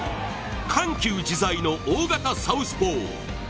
緩急自在の大型サウスポー。